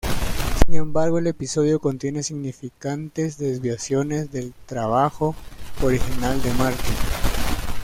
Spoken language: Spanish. Sin embargo, el episodio contiene significantes desviaciones del trabajo original de Martin.